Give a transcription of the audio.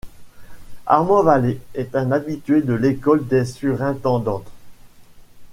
Armand Vallée est un habitué de l'école des surintendantes.